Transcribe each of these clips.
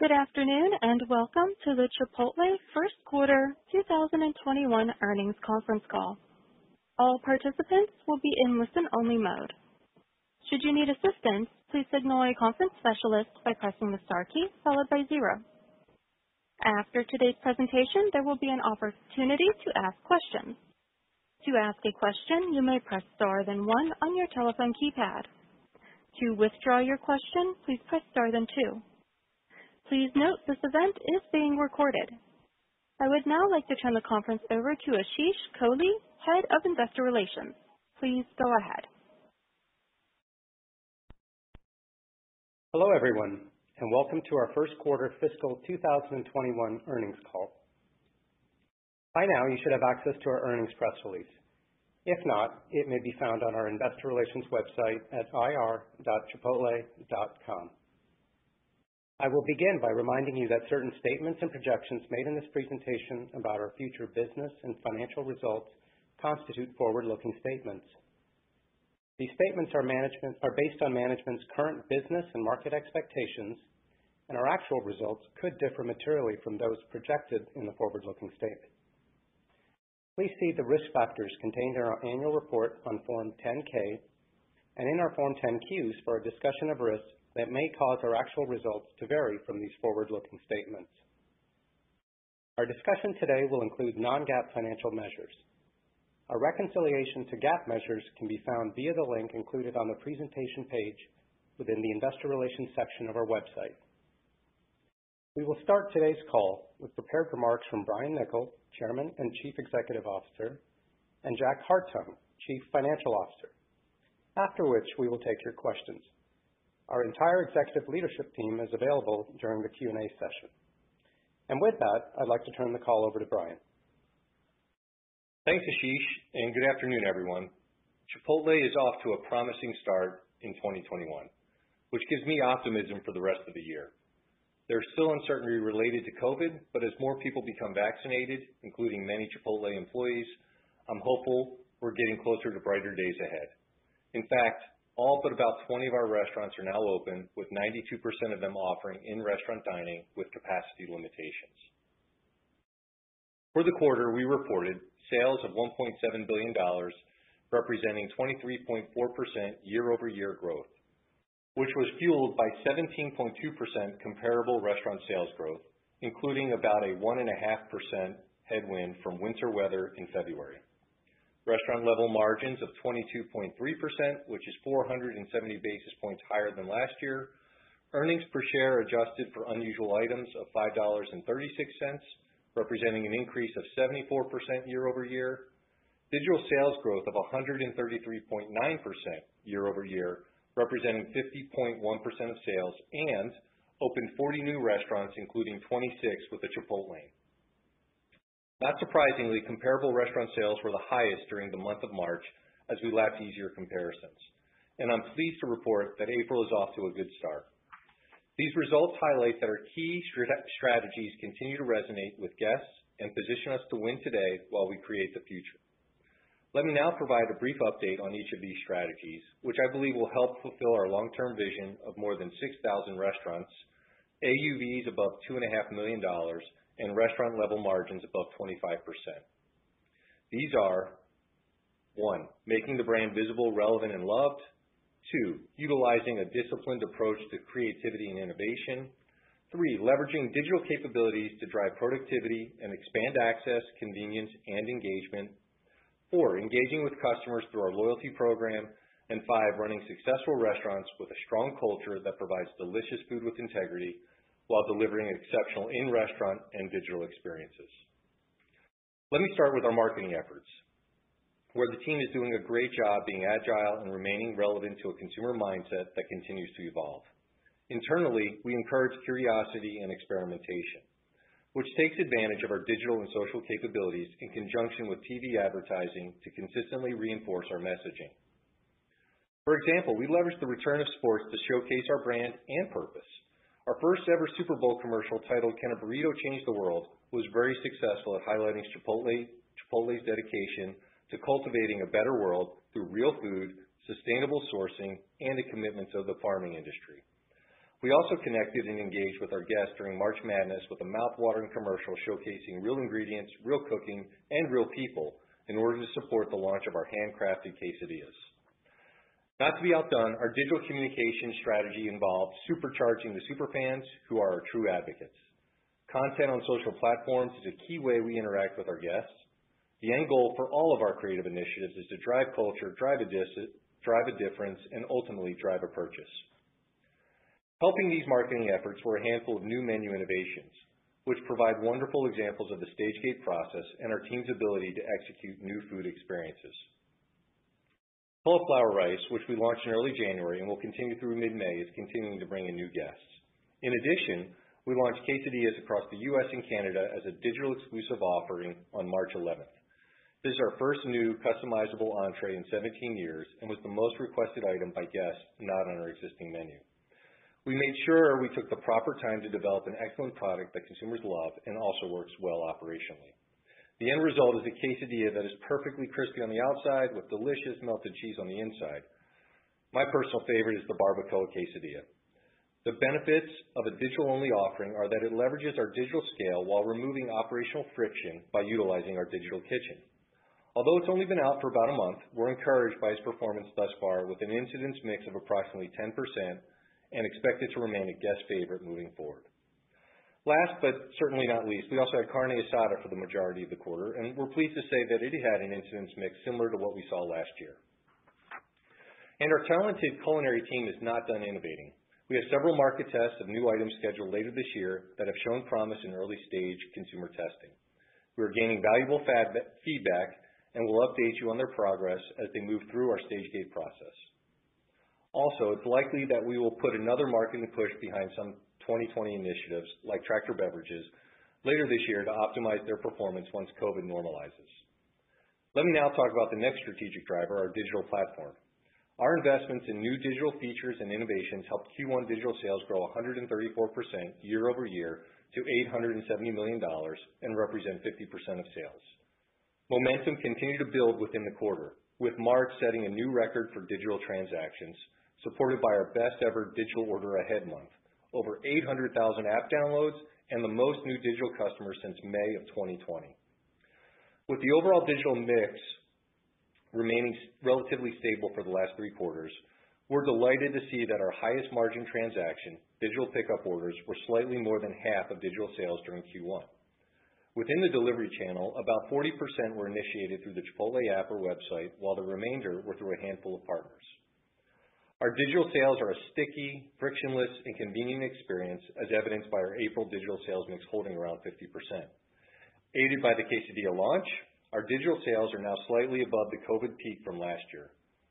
Good afternoon, and welcome to the Chipotle first quarter 2021 earnings conference call. All participants will be in listen only mode. Should you need assistance, please signal a conference specialist by pressing the star key followed by zero. After today's presentation, there will be an opportunity to ask questions. To ask a question, you may press star then one on your telephone keypad. To withdraw your question, please press star then two. Please note, this event is being recorded. I would now like to turn the conference over to Ashish Kohli, head of investor relations. Please go ahead. Hello, everyone, and welcome to our first quarter fiscal 2021 earnings call. By now you should have access to our earnings press release. If not, it may be found on our Investor Relations website at ir.chipotle.com. I will begin by reminding you that certain statements and projections made in this presentation about our future business and financial results constitute forward-looking statements. These statements are based on management's current business and market expectations, and our actual results could differ materially from those projected in the forward-looking statement. Please see the risk factors contained in our annual report on Form 10-K and in our Form 10-Q for a discussion of risks that may cause our actual results to vary from these forward-looking statements. Our discussion today will include non-GAAP financial measures. A reconciliation to GAAP measures can be found via the link included on the presentation page within the investor relations section of our website. We will start today's call with prepared remarks from Brian Niccol, Chairman and Chief Executive Officer, and Jack Hartung, Chief Financial Officer, after which we will take your questions. Our entire executive leadership team is available during the Q&A session. With that, I'd like to turn the call over to Brian. Thanks, Ashish. Good afternoon, everyone. Chipotle is off to a promising start in 2021, which gives me optimism for the rest of the year. There's still uncertainty related to COVID, but as more people become vaccinated, including many Chipotle employees, I'm hopeful we're getting closer to brighter days ahead. In fact, all but about 20 of our restaurants are now open, with 92% of them offering in-restaurant dining with capacity limitations. For the quarter, we reported sales of $1.7 billion, representing 23.4% year-over-year growth, which was fueled by 17.2% comparable restaurant sales growth, including about a 1.5% headwind from winter weather in February. Restaurant level margins of 22.3%, which is 470 basis points higher than last year. Earnings per share adjusted for unusual items of $5.36, representing an increase of 74% year-over-year. Digital sales growth of 133.9% year-over-year, representing 50.1% of sales, and opened 40 new restaurants, including 26 with a Chipotlane. Not surprisingly, comparable restaurant sales were the highest during the month of March as we lacked easier comparisons. I'm pleased to report that April is off to a good start. These results highlight that our key strategies continue to resonate with guests and position us to win today while we create the future. Let me now provide a brief update on each of these strategies, which I believe will help fulfill our long-term vision of more than 6,000 restaurants, AUVs above $2.5 million, and restaurant level margins above 25%. These are, one, making the brand visible, relevant, and loved. Two, utilizing a disciplined approach to creativity and innovation. Three, leveraging digital capabilities to drive productivity and expand access, convenience, and engagement. Four, engaging with customers through our loyalty program. Five, running successful restaurants with a strong culture that provides delicious food with integrity while delivering exceptional in-restaurant and digital experiences. Let me start with our marketing efforts, where the team is doing a great job being agile and remaining relevant to a consumer mindset that continues to evolve. Internally, we encourage curiosity and experimentation, which takes advantage of our digital and social capabilities in conjunction with TV advertising to consistently reinforce our messaging. For example, we leveraged the return of sports to showcase our brand and purpose. Our first ever Super Bowl commercial, titled "Can a Burrito Change the World?", was very successful at highlighting Chipotle's dedication to cultivating a better world through real food, sustainable sourcing, and the commitments of the farming industry. We also connected and engaged with our guests during March Madness with a mouth-watering commercial showcasing real ingredients, real cooking, and real people in order to support the launch of our handcrafted Quesadillas. Not to be outdone, our digital communication strategy involved supercharging the super fans who are our true advocates. Content on social platforms is a key way we interact with our guests. The end goal for all of our creative initiatives is to drive culture, drive a difference, and ultimately drive a purchase. Helping these marketing efforts were a handful of new menu innovations, which provide wonderful examples of the stage-gate process and our team's ability to execute new food experiences. Cauliflower Rice, which we launched in early January and will continue through mid-May, is continuing to bring in new guests. In addition, we launched Quesadillas across the U.S. and Canada as a digital exclusive offering on March 11th. This is our first new customizable entree in 17 years and was the most requested item by guests not on our existing menu. We made sure we took the proper time to develop an excellent product that consumers love and also works well operationally. The end result is a Quesadilla that is perfectly crispy on the outside with delicious melted cheese on the inside. My personal favorite is the Barbacoa Quesadilla. The benefits of a digital-only offering are that it leverages our digital scale while removing operational friction by utilizing our digital kitchen. Although it's only been out for about a month, we're encouraged by its performance thus far, with an incidence mix of approximately 10%, and expect it to remain a guest favorite moving forward. Last but certainly not least, we also had Carne Asada for the majority of the quarter, and we're pleased to say that it had an incidence mix similar to what we saw last year. Our talented culinary team is not done innovating. We have several market tests of new items scheduled later this year that have shown promise in early-stage consumer testing. We are gaining valuable feedback, and we'll update you on their progress as they move through our stage-gate process. It's likely that we will put another marketing push behind some 2020 initiatives, like Tractor Beverages, later this year to optimize their performance once COVID normalizes. Let me now talk about the next strategic driver, our digital platform. Our investments in new digital features and innovations helped Q1 digital sales grow 134% year over year to $870 million and represent 50% of sales. Momentum continued to build within the quarter, with March setting a new record for digital transactions, supported by our best ever digital order ahead month, over 800,000 app downloads, and the most new digital customers since May of 2020. With the overall digital mix remaining relatively stable for the last three quarters, we're delighted to see that our highest margin transaction, digital pickup orders, were slightly more than half of digital sales during Q1. Within the delivery channel, about 40% were initiated through the Chipotle app or website, while the remainder were through a handful of partners. Our digital sales are a sticky, frictionless, and convenient experience, as evidenced by our April digital sales mix holding around 50%. Aided by the Quesadilla launch, our digital sales are now slightly above the COVID peak from last year.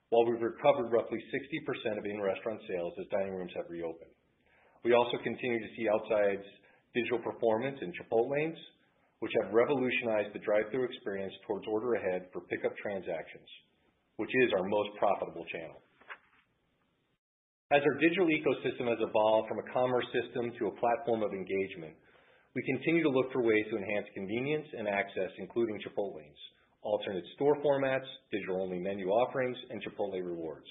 While we've recovered roughly 60% of in-restaurant sales as dining rooms have reopened. We also continue to see outsized digital performance in Chipotlanes, which have revolutionized the drive-thru experience towards order ahead for pickup transactions. Which is our most profitable channel. As our digital ecosystem has evolved from a commerce system to a platform of engagement, we continue to look for ways to enhance convenience and access including Chipotlanes, alternate store formats, digital-only menu offerings, and Chipotle Rewards.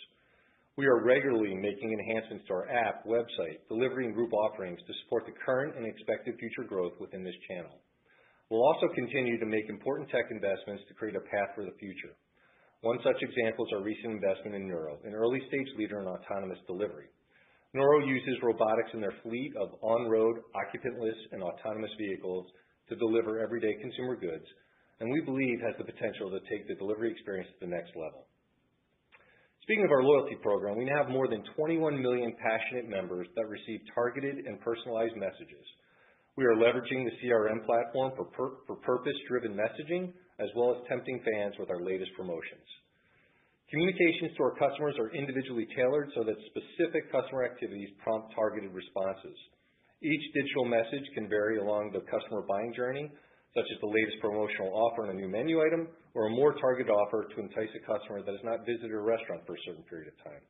We are regularly making enhancements to our app, website, delivery, and group offerings to support the current and expected future growth within this channel. We'll also continue to make important tech investments to create a path for the future. One such example is our recent investment in Nuro, an early stage leader in autonomous delivery. Nuro uses robotics in their fleet of on-road, occupant-less, and autonomous vehicles to deliver everyday consumer goods, and we believe has the potential to take the delivery experience to the next level. Speaking of our loyalty program, we now have more than 21 million passionate members that receive targeted and personalized messages. We are leveraging the CRM platform for purpose-driven messaging as well as tempting fans with our latest promotions. Communications to our customers are individually tailored so that specific customer activities prompt targeted responses. Each digital message can vary along the customer buying journey, such as the latest promotional offer on a new menu item, or a more targeted offer to entice a customer that has not visited a restaurant for a certain period of time.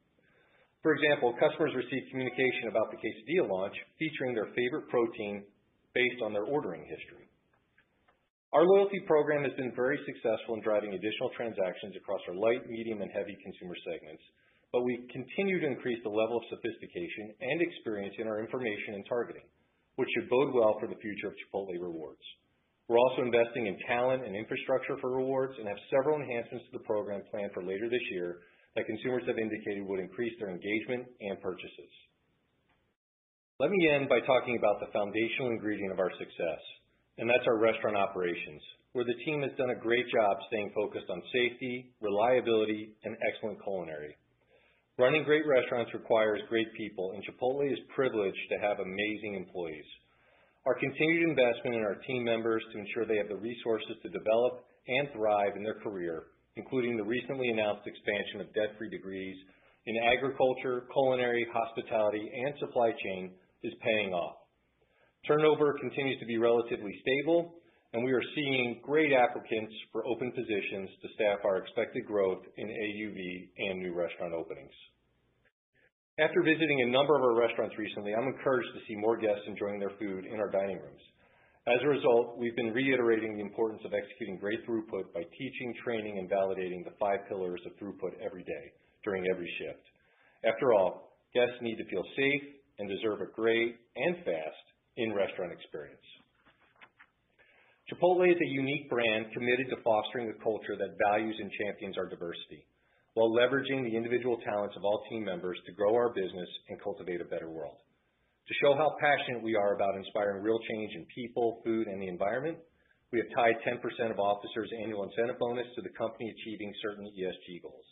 For example, customers receive communication about the Quesadilla launch featuring their favorite protein based on their ordering history. Our loyalty program has been very successful in driving additional transactions across our light, medium, and heavy consumer segments, but we continue to increase the level of sophistication and experience in our information and targeting, which should bode well for the future of Chipotle Rewards. We're also investing in talent and infrastructure for Rewards and have several enhancements to the program planned for later this year that consumers have indicated would increase their engagement and purchases. Let me end by talking about the foundational ingredient of our success, and that's our restaurant operations, where the team has done a great job staying focused on safety, reliability, and excellent culinary. Running great restaurants requires great people, and Chipotle is privileged to have amazing employees. Our continued investment in our team members to ensure they have the resources to develop and thrive in their career, including the recently announced expansion of debt-free degrees in agriculture, culinary, hospitality, and supply chain, is paying off. Turnover continues to be relatively stable, and we are seeing great applicants for open positions to staff our expected growth in AUV and new restaurant openings. After visiting a number of our restaurants recently, I'm encouraged to see more guests enjoying their food in our dining rooms. As a result, we've been reiterating the importance of executing great throughput by teaching, training, and validating the five pillars of throughput every day during every shift. After all, guests need to feel safe and deserve a great and fast in-restaurant experience. Chipotle is a unique brand committed to fostering a culture that values and champions our diversity while leveraging the individual talents of all team members to grow our business and cultivate a better world. To show how passionate we are about inspiring real change in people, food, and the environment, we have tied 10% of officers' annual incentive bonus to the company achieving certain ESG goals.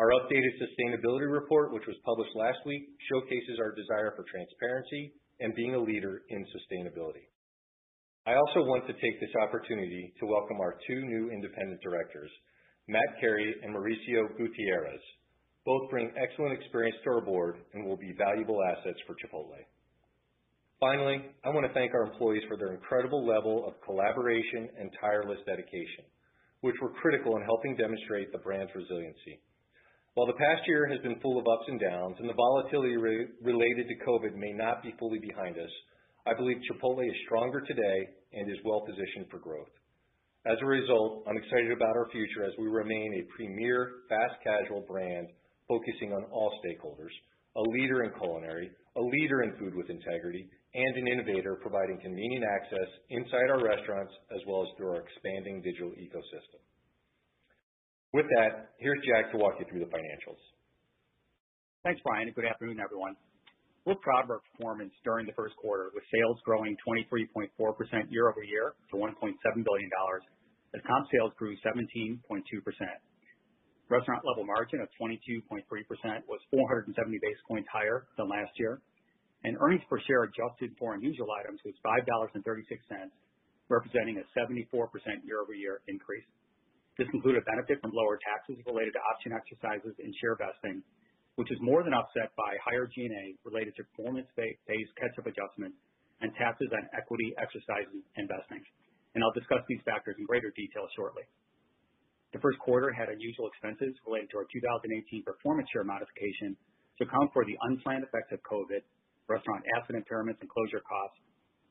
Our updated sustainability report, which was published last week, showcases our desire for transparency and being a leader in sustainability. I also want to take this opportunity to welcome our two new independent directors, Matt Carey and Mauricio Gutierrez. Both bring excellent experience to our board and will be valuable assets for Chipotle. Finally, I want to thank our employees for their incredible level of collaboration and tireless dedication, which were critical in helping demonstrate the brand's resiliency. While the past year has been full of ups and downs and the volatility related to COVID may not be fully behind us, I believe Chipotle is stronger today and is well positioned for growth. As a result, I'm excited about our future as we remain a premier fast casual brand focusing on all stakeholders, a leader in culinary, a leader in food with integrity, and an innovator providing convenient access inside our restaurants as well as through our expanding digital ecosystem. With that, here's Jack to walk you through the financials. Thanks, Brian, good afternoon, everyone. We're proud of our performance during the first quarter, with sales growing 23.4% year-over-year to $1.7 billion, and comp sales grew 17.2%. Restaurant level margin of 22.3% was 470 basis points higher than last year, and earnings per share adjusted for unusual items was $5.36, representing a 74% year-over-year increase. This included benefit from lower taxes related to option exercises and share vesting, which is more than offset by higher G&A related to performance-based catch-up adjustment and taxes on equity exercises and vestings. I'll discuss these factors in greater detail shortly. The first quarter had unusual expenses related to our 2018 performance share modification to account for the unplanned effects of COVID, restaurant asset impairments, and closure costs,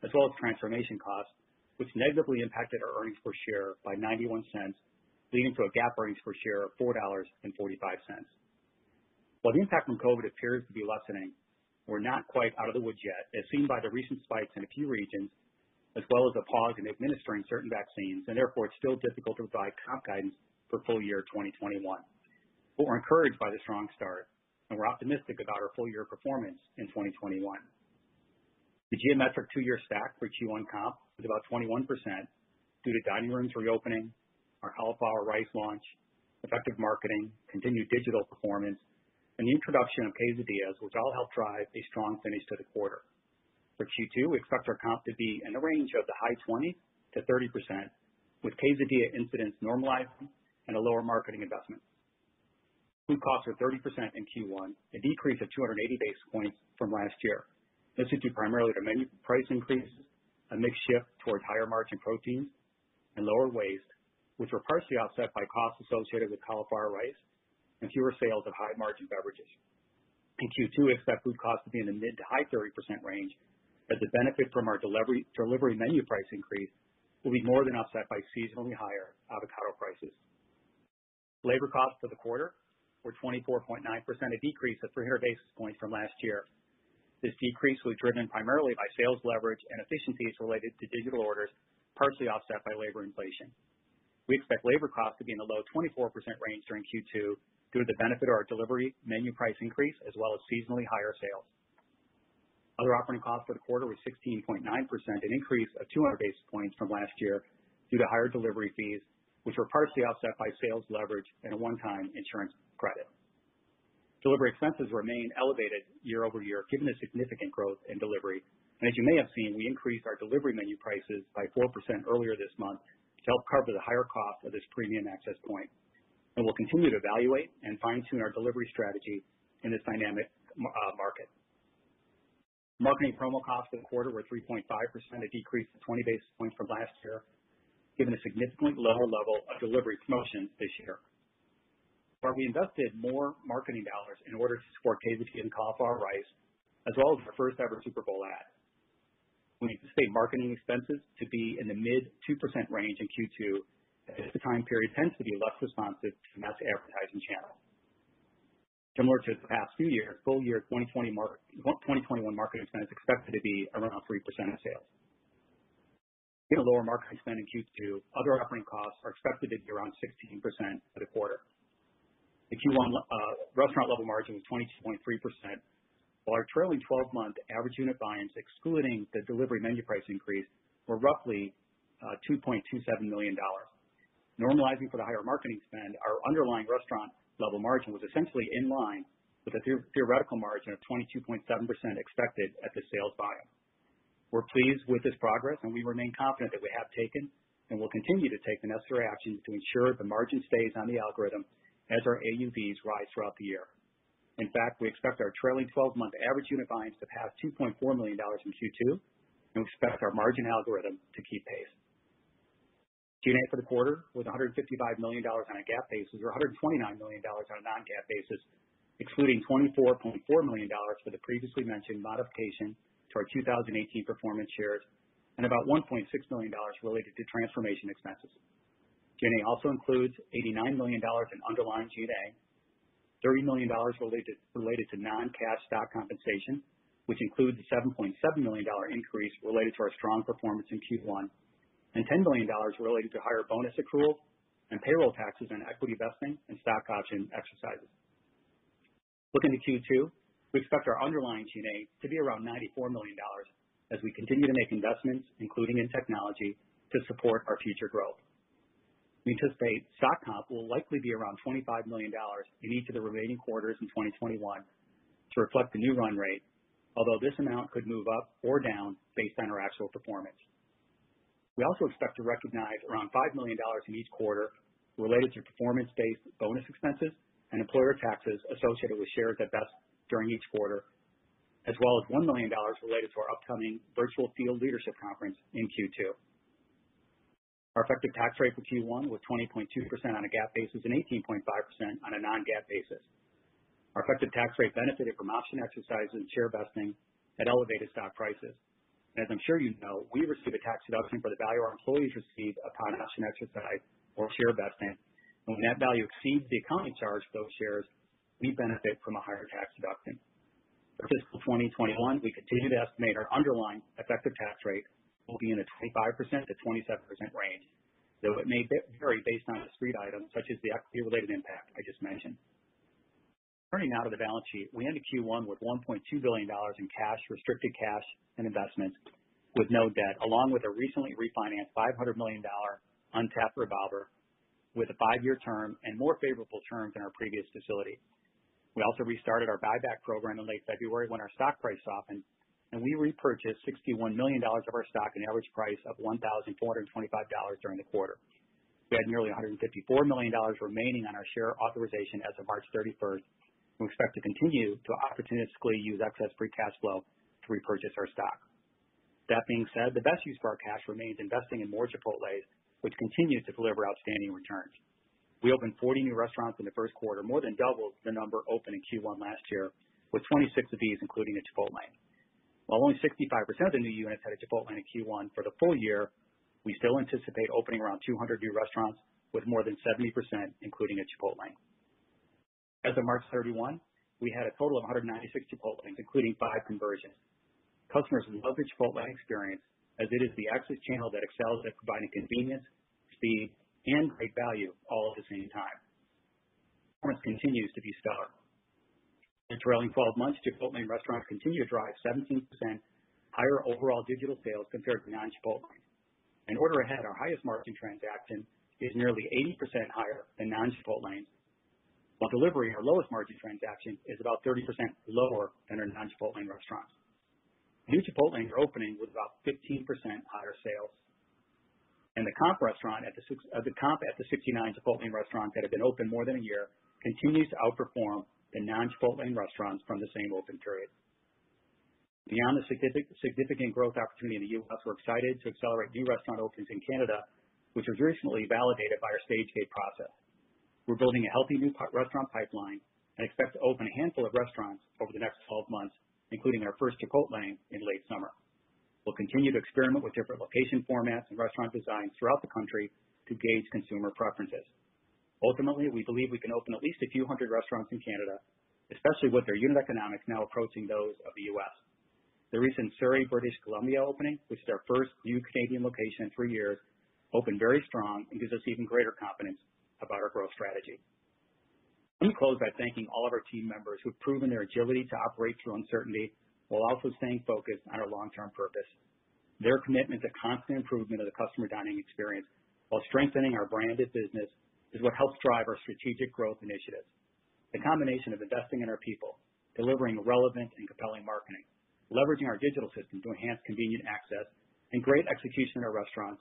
as well as transformation costs, which negatively impacted our earnings per share by $0.91, leading to a GAAP earnings per share of $4.45. While the impact from COVID appears to be lessening, we're not quite out of the woods yet, as seen by the recent spikes in a few regions, as well as a pause in administering certain vaccines, and therefore, it's still difficult to provide comp guidance for full-year 2021. We're encouraged by the strong start, and we're optimistic about our full-year performance in 2021. The two-year stack for Q1 comp is about 21% due to dining rooms reopening, our Cauliflower Rice launch, effective marketing, continued digital performance, and the introduction of Quesadillas, which all helped drive a strong finish to the quarter. For Q2, we expect our comp to be in the range of the high 20%-30%, with Quesadilla incidence normalizing and a lower marketing investment. Food costs are 30% in Q1, a decrease of 280 basis points from last year. This is due primarily to menu price increases, a mix shift towards higher margin proteins, and lower waste, which were partially offset by costs associated with Cauliflower Rice and fewer sales of high margin beverages. In Q2, we expect food cost to be in the mid to high 30% range as the benefit from our delivery menu price increase will be more than offset by seasonally higher avocado prices. Labor costs for the quarter were 24.9%, a decrease of 300 basis points from last year. This decrease was driven primarily by sales leverage and efficiencies related to digital orders, partially offset by labor inflation. We expect labor costs to be in the low 24% range during Q2 due to the benefit of our delivery menu price increase, as well as seasonally higher sales. Other operating costs for the quarter were 16.9%, an increase of 200 basis points from last year due to higher delivery fees, which were partially offset by sales leverage and a one-time insurance credit. Delivery expenses remain elevated year-over-year, given the significant growth in delivery. As you may have seen, we increased our delivery menu prices by 4% earlier this month to help cover the higher cost of this premium access point. We'll continue to evaluate and fine-tune our delivery strategy in this dynamic market. Marketing promo costs for the quarter were 3.5%, a decrease of 20 basis points from last year, given a significantly lower level of delivery promotions this year. While we invested more marketing dollars in order to support Quesadillas and Cauliflower Rice, as well as our first ever Super Bowl ad, we anticipate marketing expenses to be in the mid 2% range in Q2, as the time period tends to be less responsive to mass advertising channels. Similar to the past few years, full-year 2021 marketing spend is expected to be around 3% of sales. Given the lower marketing spend in Q2, other operating costs are expected to be around 16% for the quarter. The Q1 restaurant level margin was 22.3%, while our trailing 12-month average unit volumes, excluding the delivery menu price increase, were roughly $2.27 million. Normalizing for the higher marketing spend, our underlying restaurant level margin was essentially in line with the theoretical margin of 22.7% expected at the sales volume. We're pleased with this progress, and we remain confident that we have taken and will continue to take the necessary actions to ensure the margin stays on the algorithm as our AUVs rise throughout the year. In fact, we expect our trailing 12-month average unit volumes to pass $2.4 million from Q2, and we expect our margin algorithm to keep pace. G&A for the quarter was $155 million on a GAAP basis, or $129 million on a non-GAAP basis, excluding $24.4 million for the previously mentioned modification to our 2018 performance shares and about $1.6 million related to transformation expenses. G&A also includes $89 million in underlying G&A, $3 million related to non-cash stock compensation, which includes a $7.7 million increase related to our strong performance in Q1, and $10 million related to higher bonus accrual and payroll taxes on equity vesting and stock option exercises. Looking to Q2, we expect our underlying G&A to be around $94 million as we continue to make investments, including in technology, to support our future growth. We anticipate stock comp will likely be around $25 million in each of the remaining quarters in 2021 to reflect the new run rate, although this amount could move up or down based on our actual performance. We also expect to recognize around $5 million in each quarter related to performance-based bonus expenses and employer taxes associated with shares that vest during each quarter, as well as $1 million related to our upcoming virtual field leadership conference in Q2. Our effective tax rate for Q1 was 20.2% on a GAAP basis and 18.5% on a non-GAAP basis. Our effective tax rate benefited from option exercises and share vesting at elevated stock prices. As I'm sure you know, we receive a tax deduction for the value our employees receive upon option exercise or share vesting. When that value exceeds the accounting charge for those shares, we benefit from a higher tax deduction. For fiscal 2021, we continue to estimate our underlying effective tax rate will be in the 25%-27% range, though it may vary based on discrete items such as the equity-related impact I just mentioned. Turning now to the balance sheet. We ended Q1 with $1.2 billion in cash, restricted cash, and investments with no debt, along with a recently refinanced $500 million untapped revolver with a five-year term and more favorable terms than our previous facility. We also restarted our buyback program in late February when our stock price softened, and we repurchased $61 million of our stock an average price of $1,425 during the quarter. We had nearly $154 million remaining on our share authorization as of March 31st and we expect to continue to opportunistically use excess free cash flow to repurchase our stock. That being said, the best use of our cash remains investing in more Chipotles, which continue to deliver outstanding returns. We opened 40 new restaurants in the first quarter, more than double the number opened in Q1 last year, with 26 of these including a Chipotlane. While only 65% of new units had a Chipotlane in Q1, for the full-year, we still anticipate opening around 200 new restaurants, with more than 70% including a Chipotlane. As of March 31, we had a total of 196 Chipotlanes, including five conversions. Customers love the Chipotlane experience, as it is the access channel that excels at providing convenience, speed, and great value all at the same time. Performance continues to be stellar. In the trailing 12 months, Chipotlane restaurants continue to drive 17% higher overall digital sales compared to non-Chipotlane. In order ahead, our highest margin transaction, is nearly 80% higher than non-Chipotlane. Delivery, our lowest margin transaction, is about 30% lower than in non-Chipotlane restaurants. New Chipotlanes are opening with about 15% higher sales. The comp at the 69 Chipotlane restaurants that have been open more than a year continues to outperform the non-Chipotlane restaurants from the same open period. Beyond the significant growth opportunity in the U.S., we're excited to accelerate new restaurant openings in Canada, which are additionally validated by our stage-gate process. We're building a healthy new restaurant pipeline and expect to open a handful of restaurants over the next 12 months, including our first Chipotlane in late summer. We'll continue to experiment with different location formats and restaurant designs throughout the country to gauge consumer preferences. Ultimately, we believe we can open at least a few hundred restaurants in Canada, especially with their unit economics now approaching those of the U.S.. The recent Surrey, British Columbia opening, which is our first new Canadian location in three years, opened very strong and gives us even greater confidence about our growth strategy. Let me close by thanking all of our team members who've proven their agility to operate through uncertainty while also staying focused on our long-term purpose. Their commitment to constant improvement of the customer dining experience while strengthening our brand and business is what helps drive our strategic growth initiatives. The combination of investing in our people, delivering relevant and compelling marketing, leveraging our digital systems to enhance convenient access, and great execution in our restaurants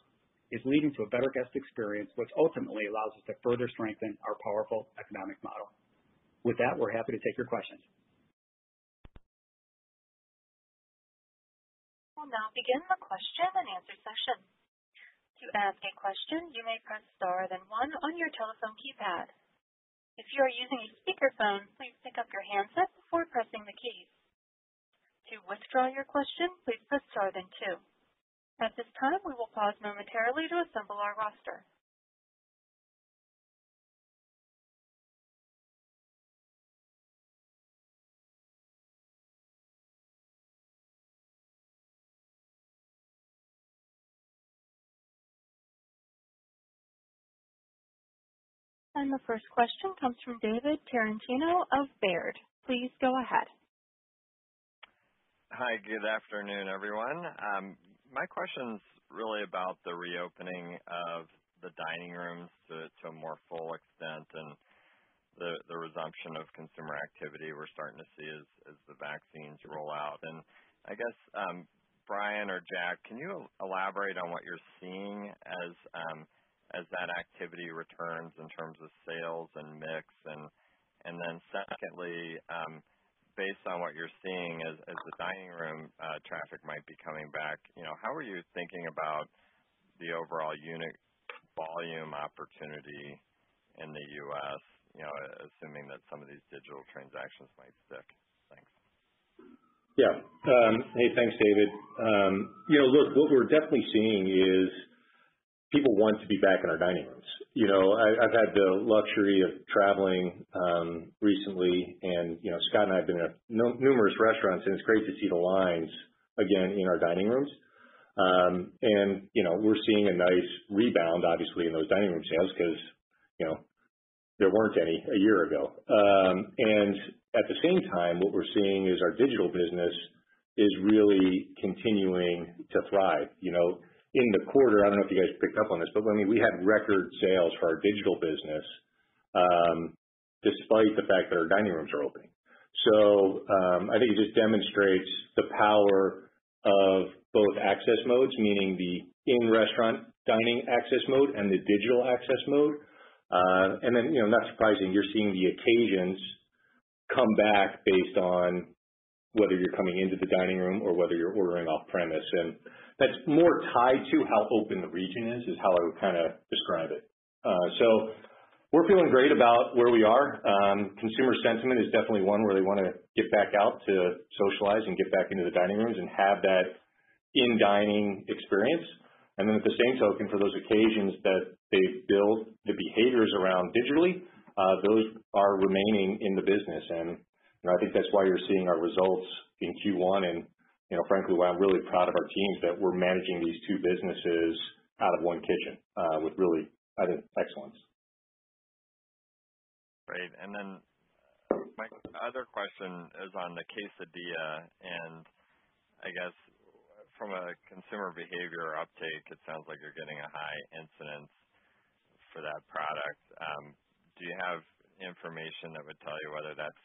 is leading to a better guest experience, which ultimately allows us to further strengthen our powerful economic model. With that, we're happy to take your questions. The first question comes from David Tarantino of Baird. Please go ahead. Hi, good afternoon, everyone. My question's really about the reopening of the dining rooms to a more full extent and the resumption of consumer activity we're starting to see as the vaccines roll out. I guess, Brian or Jack, can you elaborate on what you're seeing as that activity returns in terms of sales and mix? Then secondly, based on what you're seeing as the dining room traffic might be coming back, how are you thinking about the overall unit volume opportunity in the U.S., assuming that some of these digital transactions might stick? Thanks. Yeah. Hey, thanks, David. Look, what we're definitely seeing is people want to be back in our dining rooms. I've had the luxury of traveling recently, and Scott and I have been to numerous restaurants, and it's great to see the lines again in our dining rooms. We're seeing a nice rebound, obviously, in those dining room sales because there weren't any a year ago. At the same time, what we're seeing is our digital business is really continuing to thrive. In the quarter, I don't know if you guys picked up on this, but we had record sales for our digital business, despite the fact that our dining rooms are opening. I think it just demonstrates the power of both access modes, meaning the in-restaurant dining access mode and the digital access mode. Then, not surprising, you're seeing the occasions Come back based on whether you're coming into the dining room or whether you're ordering off-premise. That's more tied to how open the region is how I would describe it. We're feeling great about where we are. Consumer sentiment is definitely one where they want to get back out to socialize and get back into the dining rooms and have that in-dining experience. At the same token, for those occasions that they build the behaviors around digitally, those are remaining in the business and I think that's why you're seeing our results in Q1 and frankly, why I'm really proud of our teams, that we're managing these two businesses out of one kitchen with really, I think, excellence. Great. My other question is on the Quesadilla. I guess from a consumer behavior uptake, it sounds like you're getting a high incidence for that product. Do you have information that would tell you whether that's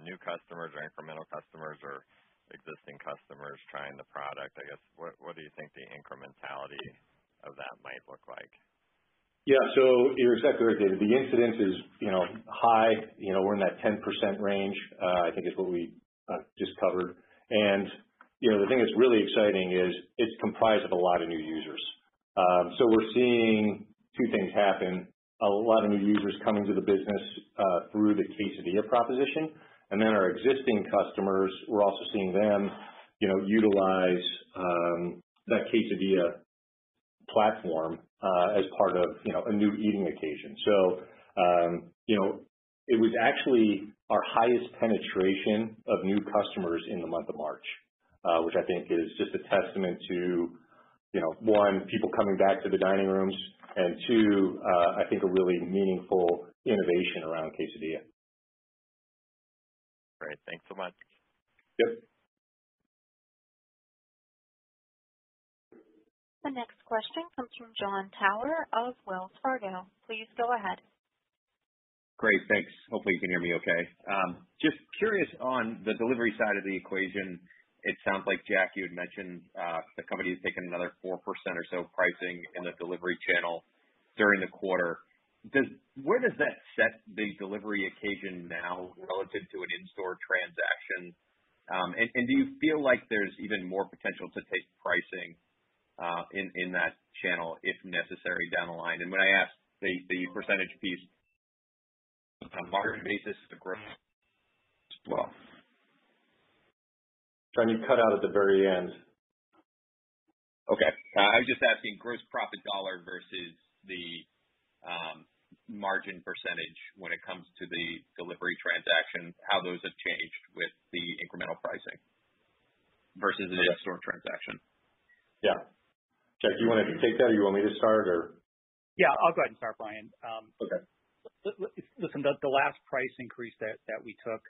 new customers or incremental customers or existing customers trying the product? I guess, what do you think the incrementality of that might look like? Yeah. You're exactly right, David. The incidence is high. We're in that 10% range, I think is what we just covered. The thing that's really exciting is it's comprised of a lot of new users. We're seeing two things happen: a lot of new users coming to the business through the Quesadilla proposition, and then our existing customers, we're also seeing them utilize that Quesadilla platform as part of a new eating occasion. It was actually our highest penetration of new customers in the month of March, which I think is just a testament to, one, people coming back to the dining rooms, and two, I think a really meaningful innovation around Quesadilla. Great. Thanks so much. Yep. The next question comes from Jon Tower of Wells Fargo. Please go ahead. Great. Thanks. Hopefully you can hear me okay. Just curious on the delivery side of the equation, it sounds like, Jack, you had mentioned, the company has taken another 4% or so pricing in the delivery channel during the quarter. Where does that set the delivery occasion now relative to an in-store transaction? Do you feel like there's even more potential to take pricing in that channel if necessary down the line? When I ask the percentage piece on a margin basis, the gross Jon, you cut out at the very end. Okay. I was just asking gross profit dollar versus the margin percentage when it comes to the delivery transactions, how those have changed with the incremental pricing versus an in-store transaction. Yeah. Jack, do you want to take that or you want me to start or? Yeah, I'll go ahead and start, Brian. Okay. Listen, the last price increase that we took,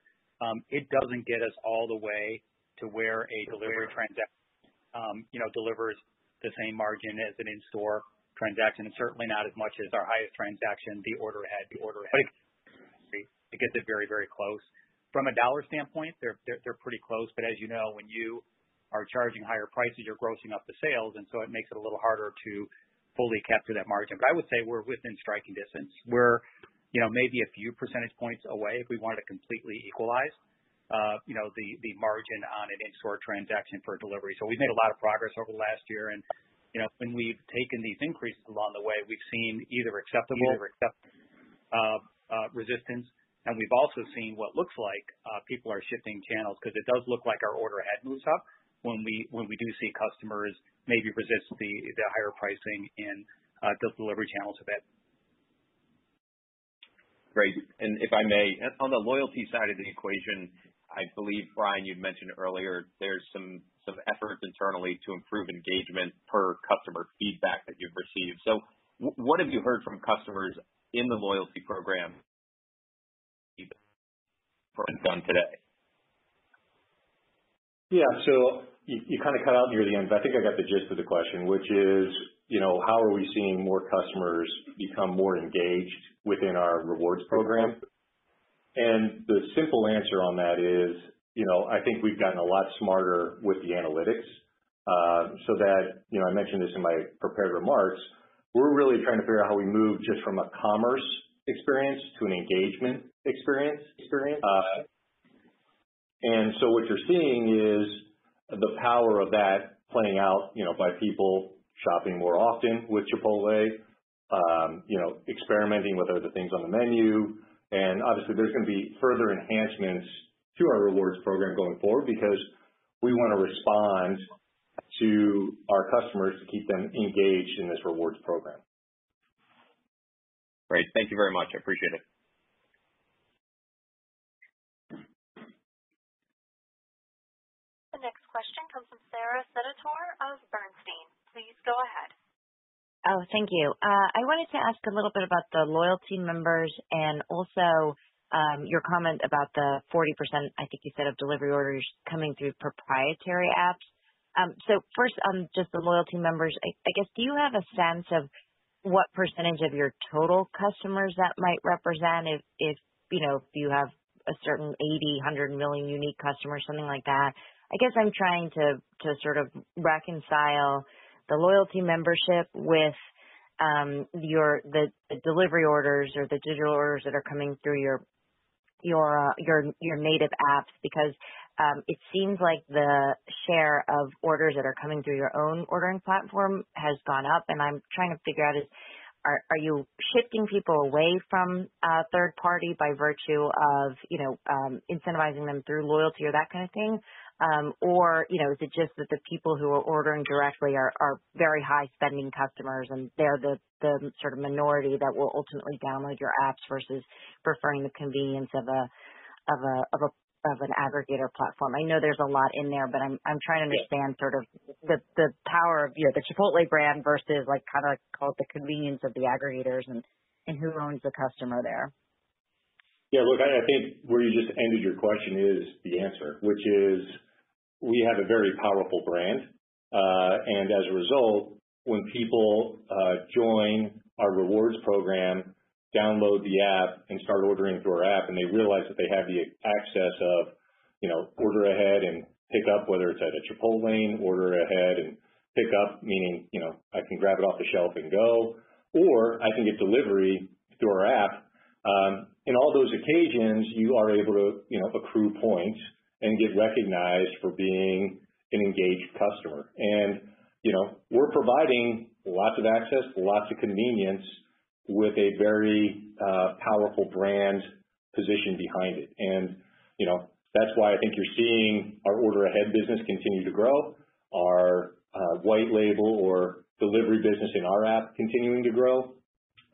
it doesn't get us all the way to where a delivery transaction delivers the same margin as an in-store transaction, and certainly not as much as our highest transaction, the order ahead, it gets it very close. From a dollar standpoint, they're pretty close, but as you know, when you are charging higher prices, you're grossing up the sales, and so it makes it a little harder to fully capture that margin. I would say we're within striking distance. We're maybe a few percentage points away if we wanted to completely equalize the margin on an in-store transaction for delivery. We've made a lot of progress over the last year, and when we've taken these increases along the way, we've seen either acceptable resistance, and we've also seen what looks like people are shifting channels because it does look like our order ahead moves up when we do see customers maybe resist the higher pricing in the delivery channel to that. Great. If I may, on the loyalty side of the equation, I believe, Brian, you'd mentioned earlier there's some efforts internally to improve engagement per customer feedback that you've received. What have you heard from customers in the loyalty program to date? Yeah. You cut out near the end, but I think I got the gist of the question, which is how are we seeing more customers become more engaged within our Rewards program? The simple answer on that is, I think we've gotten a lot smarter with the analytics. That, I mentioned this in my prepared remarks, we're really trying to figure out how we move just from a commerce experience to an engagement experience. What you're seeing is the power of that playing out by people shopping more often with Chipotle, experimenting with other things on the menu. Obviously, there's going to be further enhancements to our Rewards program going forward because we want to respond to our customers to keep them engaged in this Rewards program. Great. Thank you very much. I appreciate it. The next question comes from Sara Senatore of Bernstein. Please go ahead. Oh, thank you. I wanted to ask a little bit about the loyalty members and also, your comment about the 40%, I think you said, of delivery orders coming through proprietary apps. First, just the loyalty members, I guess, do you have a sense of what percentage of your total customers that might represent if you have a certain 80 million-100 million unique customers, something like that? I guess I'm trying to sort of reconcile the loyalty membership with the delivery orders or the digital orders that are coming through your native apps because it seems like the share of orders that are coming through your own ordering platform has gone up. I'm trying to figure out, are you shifting people away from a third party by virtue of incentivizing them through loyalty or that kind of thing? Is it just that the people who are ordering directly are very high spending customers and they're the minority that will ultimately download your apps versus preferring the convenience of an aggregator platform? I know there's a lot in there. I'm trying to understand the power of the Chipotle brand versus the convenience of the aggregators and who owns the customer there. Yeah. Look, I think where you just ended your question is the answer, which is we have a very powerful brand. As a result, when people join our Rewards program, download the app and start ordering through our app, and they realize that they have the access of order ahead and pick up, whether it's at a Chipotlane, order ahead and pick up, meaning, I can grab it off the shelf and go, or I can get delivery through our app. In all those occasions, you are able to accrue points and get recognized for being an engaged customer. We're providing lots of access, lots of convenience with a very powerful brand position behind it. That's why I think you're seeing our order ahead business continue to grow. Our white label or delivery business in our app continuing to grow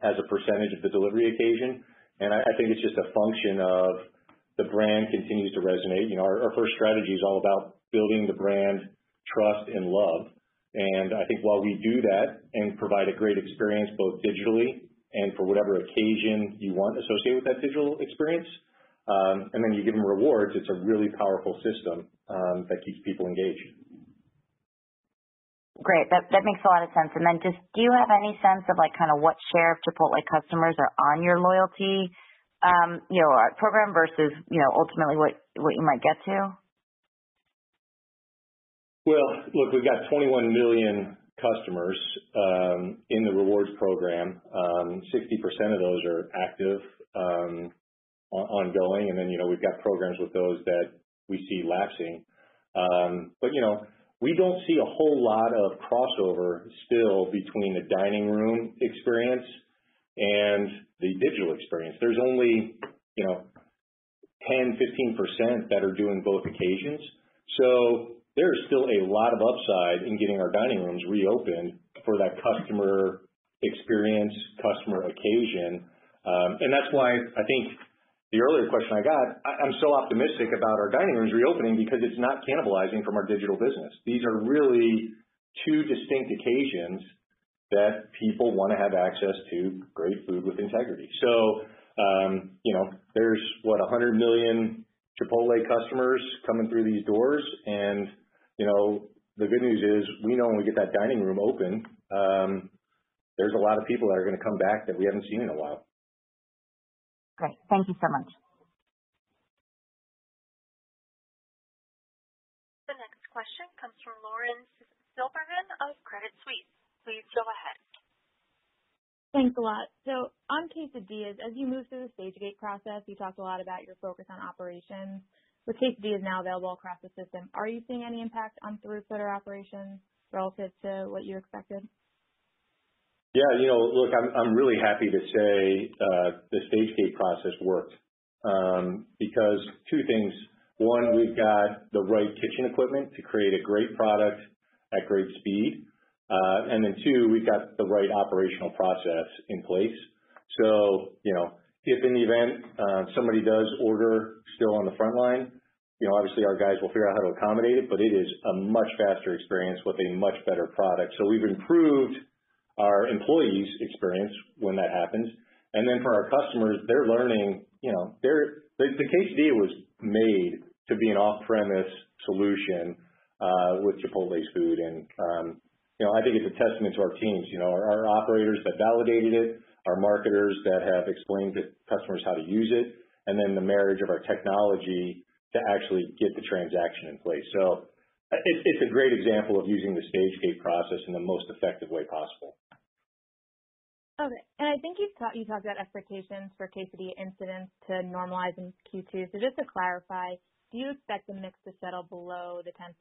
as a percentage of the delivery occasion. I think it's just a function of the brand continues to resonate. Our first strategy is all about building the brand, trust, and love. I think while we do that and provide a great experience both digitally and for whatever occasion you want associated with that digital experience, then you give them rewards, it's a really powerful system that keeps people engaged. Great. That makes a lot of sense. Do you have any sense of what share of Chipotle customers are on your loyalty program versus ultimately what you might get to? Well, look, we've got 21 million customers in the Rewards program. 60% of those are active ongoing, and then we've got programs with those that we see lapsing. We don't see a whole lot of crossover still between the dining room experience and the digital experience. There's only 10%-15% that are doing both occasions. There is still a lot of upside in getting our dining rooms reopened for that customer experience, customer occasion. That's why I think the earlier question I got, I'm still optimistic about our dining rooms reopening because it's not cannibalizing from our digital business. These are really two distinct occasions that people want to have access to great food with integrity. There's, what, 100 million Chipotle customers coming through these doors, and the good news is we know when we get that dining room open, there's a lot of people that are going to come back that we haven't seen in a while. Great. Thank you so much. The next question comes from Lauren Silberman of Credit Suisse. Please go ahead. Thanks a lot. On Quesadillas, as you move through the stage-gate process, you talked a lot about your focus on operations. The Quesadilla is now available across the system. Are you seeing any impact on throughput or operations relative to what you expected? Yeah. Look, I'm really happy to say, the stage-gate process worked because two things. One, we've got the right kitchen equipment to create a great product at great speed. Then two, we've got the right operational process in place. If in the event somebody does order still on the front line, obviously our guys will figure out how to accommodate it, but it is a much faster experience with a much better product. We've improved our employees' experience when that happens. Then for our customers, they're learning. The Quesadilla was made to be an off-premise solution with Chipotle's food. I think it's a testament to our teams. Our operators that validated it, our marketers that have explained to customers how to use it, and then the marriage of our technology to actually get the transaction in place. It's a great example of using the stage-gate process in the most effective way possible. Okay. I think you talked about expectations for Quesadilla incidence to normalize in Q2. Just to clarify, do you expect the mix to settle below the 10%?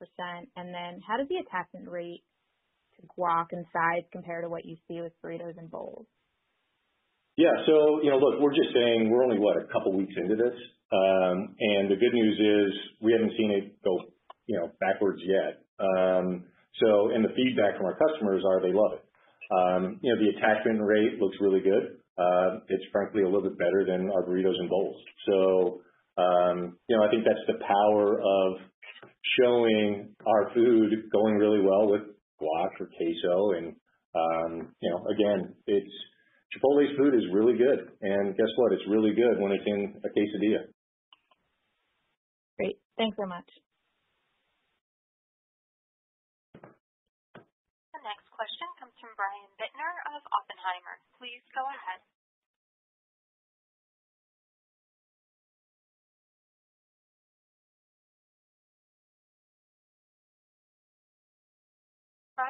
How does the attachment rate to guac and sides compare to what you see with burritos and bowls? Yeah. Look, we're just saying we're only, what, a couple of weeks into this. The good news is we haven't seen it go backwards yet. The feedback from our customers are they love it. The attachment rate looks really good. It's frankly a little bit better than our burritos and bowls. I think that's the power of showing our food going really well with guac or queso. Again, Chipotle's food is really good, and guess what? It's really good when it's in a Quesadilla. Great. Thanks very much. The next question comes from Brian Bittner of Oppenheimer. Brian, your line is open. The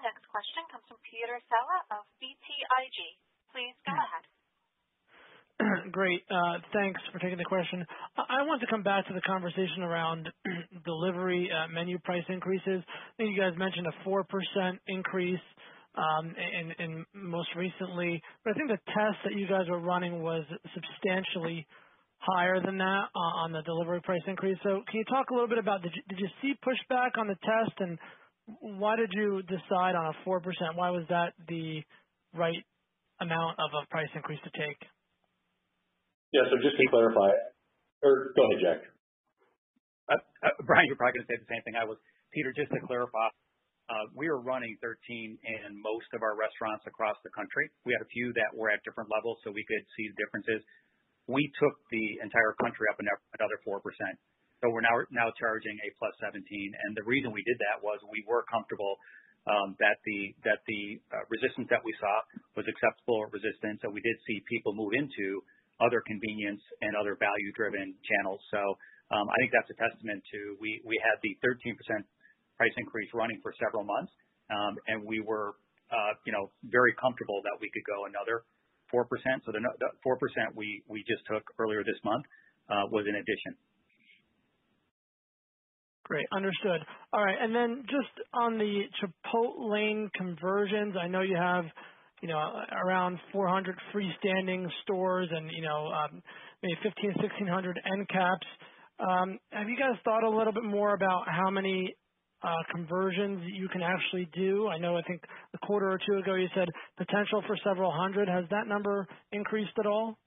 next question comes from Peter Saleh of BTIG. Please go ahead. Great. Thanks for taking the question. I want to come back to the conversation around delivery menu price increases. I think you guys mentioned a 4% increase in, most recently, but I think the test that you guys were running was substantially higher than that on the delivery price increase. Can you talk a little bit about did you see pushback on the test, and why did you decide on a 4%? Why was that the right amount of a price increase to take? Yeah. Go ahead, Jack. Brian, you were probably going to say the same thing I was. Peter, just to clarify, we were running 13% in most of our restaurants across the country. We had a few that were at different levels, so we could see differences. We took the entire country up another 4%, so we're now charging a +17%, and the reason we did that was we were comfortable that the resistance that we saw was acceptable resistance, and we did see people move into other convenience and other value-driven channels. I think that's a testament to, we had the 13% price increase running for several months, and we were very comfortable that we could go another 4%. The 4% we just took earlier this month, was an addition. Great. Understood. Just on the Chipotlane conversions, I know you have around 400 freestanding stores and maybe 1,500-1,600 end caps. Have you guys thought a little bit more about how many conversions you can actually do? I know I think a quarter or two ago, you said potential for several hundred. Has that number increased at all?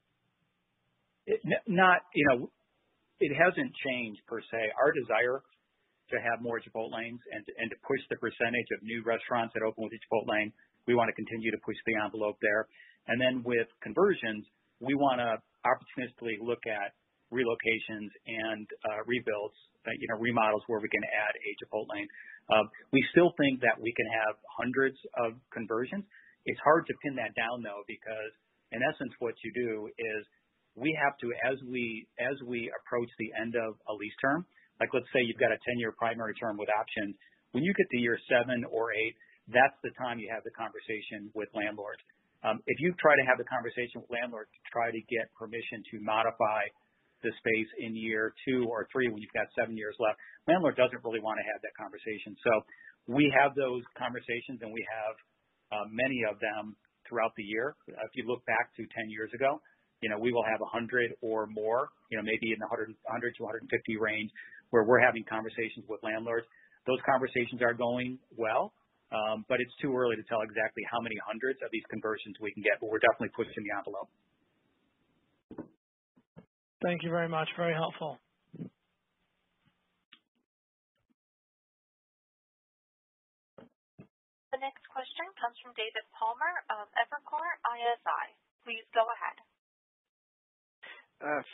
It hasn't changed per se. Our desire to have more Chipotlanes and to push the percentage of new restaurants that open with each Chipotlane, we want to continue to push the envelope there. Then with conversions, we want to opportunistically look at relocations and rebuilds, remodels where we can add a Chipotlane. We still think that we can have hundreds of conversions. It's hard to pin that down, though, because in essence, what you do is we have to, as we approach the end of a lease term, like let's say you've got a 10-year primary term with options. When you get to year seven or eight, that's the time you have the conversation with landlords. If you try to have the conversation with landlords to try to get permission to modify the space in year two or three when you've got seven years left, landlord doesn't really want to have that conversation. We have those conversations, and we have many of them throughout the year. If you look back to 10 years ago, we will have 100 or more, maybe in the 100-150 range, where we're having conversations with landlords. Those conversations are going well, but it's too early to tell exactly how many hundreds of these conversions we can get, but we're definitely pushing the envelope. Thank you very much. Very helpful. The next question comes from David Palmer of Evercore ISI. Please go ahead.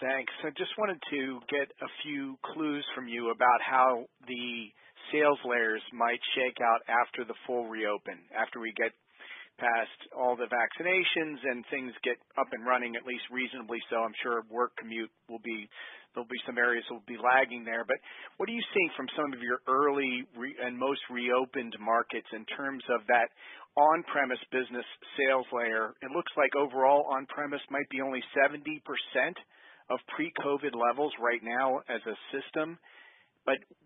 Thanks. I just wanted to get a few clues from you about how the sales layers might shake out after the full reopen, after we get past all the vaccinations and things get up and running at least reasonably so. What are you seeing from some of your early and most reopened markets in terms of that on-premise business sales layer? It looks like overall on-premise might be only 70% of pre-COVID levels right now as a system.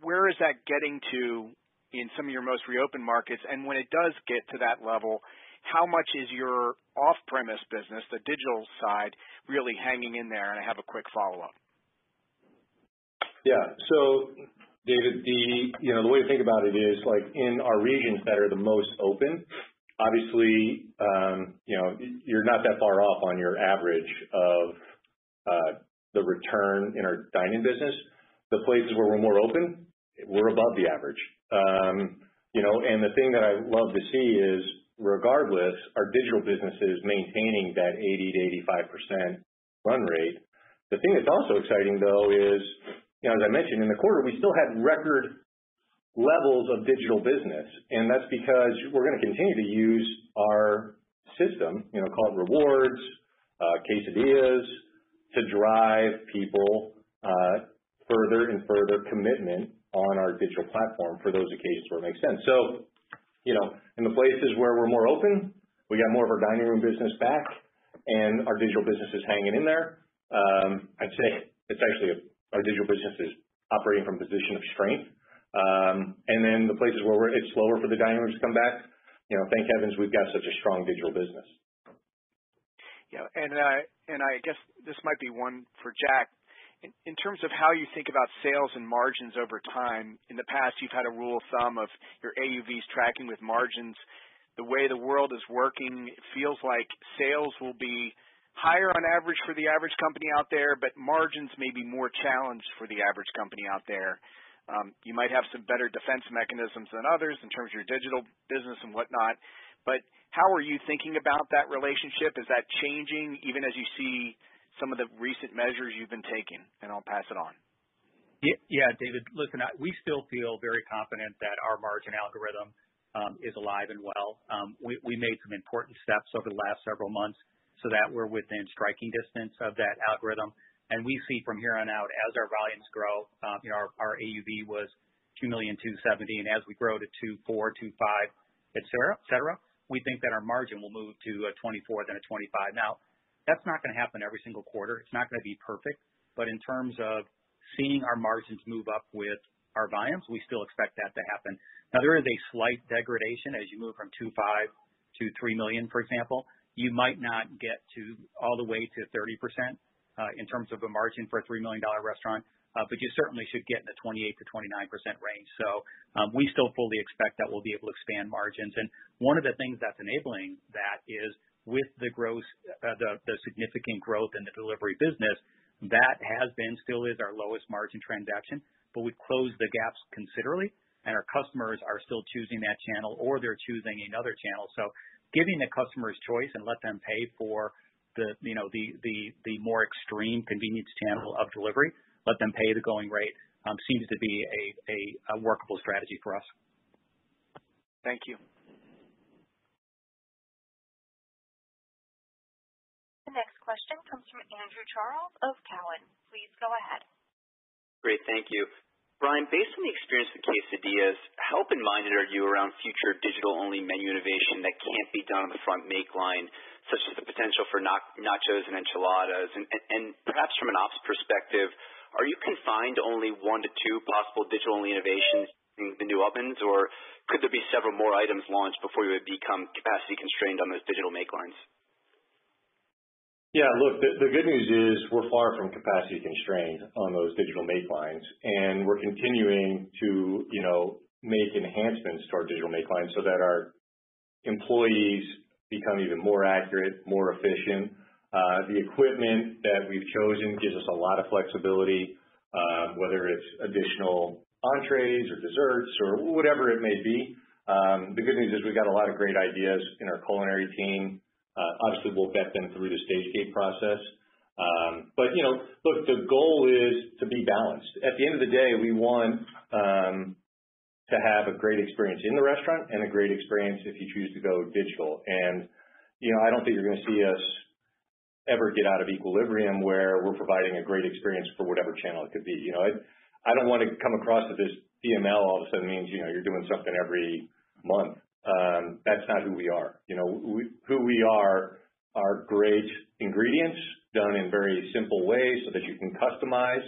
Where is that getting to in some of your most reopened markets? When it does get to that level, how much is your off-premise business, the digital side, really hanging in there? I have a quick follow-up. Yeah. David, the way to think about it is like in our regions that are the most open, obviously, you're not that far off on your average of the return in our dine-in business. The places where we're more open, we're above the average. The thing that I love to see is, regardless, our digital business is maintaining that 80%-85% run rate. The thing that's also exciting, though, is as I mentioned in the quarter, we still had record levels of digital business. That's because we're going to continue to use our system, called Rewards, Quesadillas, to drive people further and further commitment on our digital platform for those occasions where it makes sense. In the places where we're more open, we got more of our dining room business back and our digital business is hanging in there. I'd say it's actually, our digital business is operating from a position of strength. The places where it's slower for the diners to come back, thank heavens we've got such a strong digital business. Yeah. I guess this might be one for Jack. In terms of how you think about sales and margins over time, in the past you've had a rule of thumb of your AUVs tracking with margins. The way the world is working, it feels like sales will be higher on average for the average company out there, but margins may be more challenged for the average company out there. You might have some better defense mechanisms than others in terms of your digital business and whatnot, but how are you thinking about that relationship? Is that changing even as you see some of the recent measures you've been taking? I'll pass it on. Yeah, David, listen, we still feel very confident that our margin algorithm is alive and well. We made some important steps over the last several months so that we're within striking distance of that algorithm. We see from here on out, as our volumes grow, our AUV was $2.27 million, and as we grow to $2.4 million, $2.5 million, et cetera, we think that our margin will move to a 24%, then a 25%. Now, that's not going to happen every single quarter. It's not going to be perfect. In terms of seeing our margins move up with our volumes, we still expect that to happen. Now, there is a slight degradation as you move from $2.5 million to $3 million, for example. You might not get all the way to 30% in terms of a margin for a $3 million restaurant. You certainly should get in the 28%-29% range. We still fully expect that we'll be able to expand margins. One of the things that's enabling that is with the significant growth in the delivery business, that has been, still is, our lowest margin transaction. We've closed the gaps considerably, and our customers are still choosing that channel, or they're choosing another channel. Giving the customers choice and let them pay for the more extreme convenience channel of delivery, let them pay the going rate, seems to be a workable strategy for us. Thank you. The next question comes from Andrew Charles of Cowen. Please go ahead. Great. Thank you. Brian, based on the experience with Quesadillas, how open-minded are you around future digital-only menu innovation that can't be done on the front make line, such as the potential for nachos and enchiladas? Perhaps from an ops perspective, are you confined to only one to two possible digital-only innovations in the new ovens, or could there be several more items launched before you would become capacity constrained on those digital make lines? Yeah, look, the good news is we're far from capacity constrained on those digital make lines, and we're continuing to make enhancements to our digital make lines so that our employees become even more accurate, more efficient. The equipment that we've chosen gives us a lot of flexibility. Whether it's additional entrees or desserts or whatever it may be, the good news is we've got a lot of great ideas in our culinary team. Obviously, we'll vet them through the stage-gate process. Look, the goal is to be balanced. At the end of the day, we want to have a great experience in the restaurant and a great experience if you choose to go digital. I don't think you're going to see us ever get out of equilibrium where we're providing a great experience for whatever channel it could be. I don't want to come across that this DML all of a sudden means you're doing something every month. That's not who we are. Who we are are great ingredients done in very simple ways so that you can customize.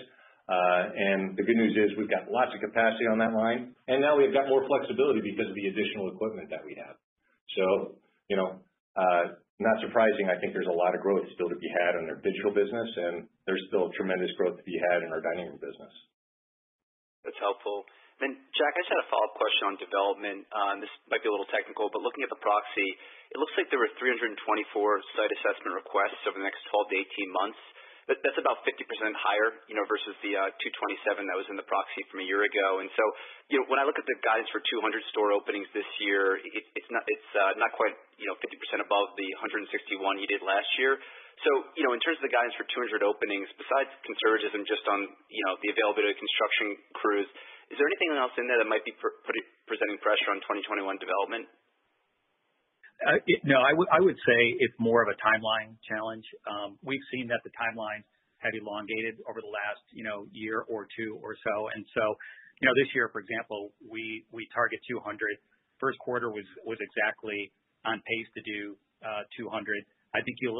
The good news is we've got lots of capacity on that line, and now we've got more flexibility because of the additional equipment that we have. Not surprising, I think there's a lot of growth still to be had on our digital business, and there's still tremendous growth to be had in our dining room business. That's helpful. Jack, I just had a follow-up question on development. This might be a little technical, but looking at the proxy, it looks like there were 324 site assessment requests over the next 12-18 months. That's about 50% higher versus the 227 that was in the proxy from a year ago. When I look at the guidance for 200 store openings this year, it's not quite 50% above the 161 you did last year. In terms of the guidance for 200 openings, besides conservatism just on the availability of construction crews, is there anything else in there that might be presenting pressure on 2021 development? No. I would say it's more of a timeline challenge. We've seen that the timelines have elongated over the last year or two or so. This year, for example, we target 200. First quarter was exactly on pace to do 200. I think you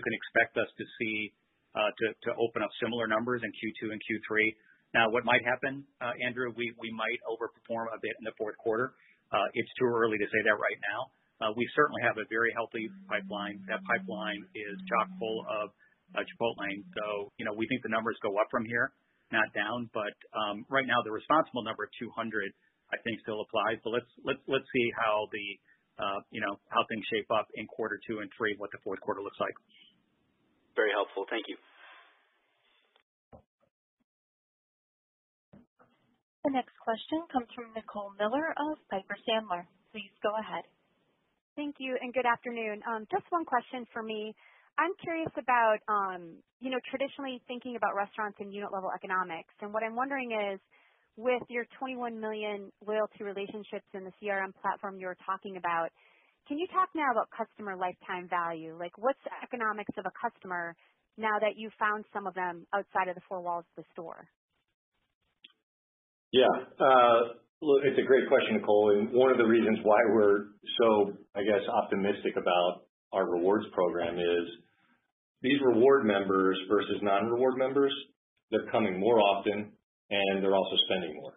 can expect us to open up similar numbers in Q2 and Q3. Now, what might happen, Andrew, we might overperform a bit in the fourth quarter. It's too early to say that right now. We certainly have a very healthy pipeline. That pipeline is chock-full of Chipotle. We think the numbers go up from here, not down. Right now, the responsible number of 200, I think, still applies. Let's see how things shape up in quarter two and three, what the fourth quarter looks like. Very helpful. Thank you. The next question comes from Nicole Miller of Piper Sandler. Please go ahead. Thank you. Good afternoon. Just one question for me. I'm curious about traditionally thinking about restaurants and unit-level economics. What I'm wondering is, with your 21 million loyalty relationships in the CRM platform you were talking about, can you talk now about customer lifetime value? What's the economics of a customer now that you've found some of them outside of the four walls of the store? Yeah. Look, it's a great question, Nicole, one of the reasons why we're so, I guess, optimistic about our Rewards program is these reward members versus non-reward members, they're coming more often, and they're also spending more.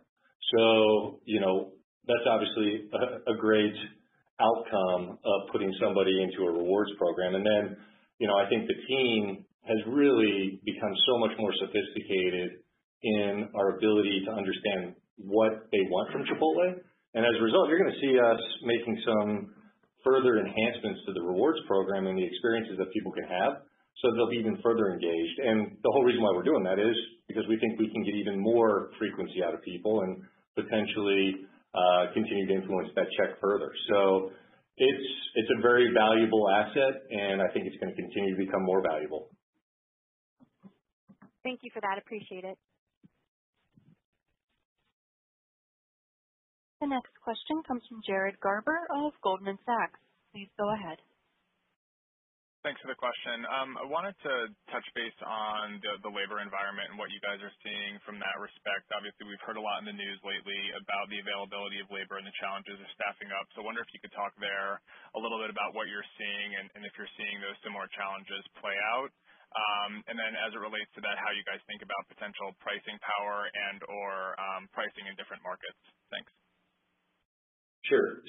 That's obviously a great outcome of putting somebody into a Rewards program. I think the team has really become so much more sophisticated in our ability to understand what they want from Chipotle. As a result, you're going to see us making some further enhancements to the Rewards program and the experiences that people can have so they'll be even further engaged. The whole reason why we're doing that is because we think we can get even more frequency out of people and potentially continue to influence that check further. It's a very valuable asset, and I think it's going to continue to become more valuable. Thank you for that. Appreciate it. The next question comes from Jared Garber of Goldman Sachs. Please go ahead. Thanks for the question. I wanted to touch base on the labor environment and what you guys are seeing from that respect. Obviously, we've heard a lot in the news lately about the availability of labor and the challenges of staffing up. I wonder if you could talk there a little bit about what you're seeing and if you're seeing those similar challenges play out. As it relates to that, how you guys think about potential pricing power and/or pricing in different markets. Thanks. Sure.